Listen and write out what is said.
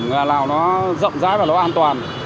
nào nó rộng rãi và nó an toàn